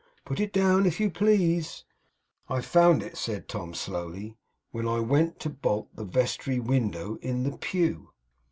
Put it down, if you please.' 'I found it,' said Tom, slowly 'when I went to bolt the vestry window in the pew.